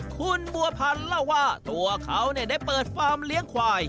คุณบัวพันธ์เล่าว่าตัวเขาได้เปิดฟาร์มเลี้ยงควาย